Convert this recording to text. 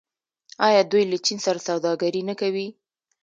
آیا دوی له چین سره سوداګري نه کوي؟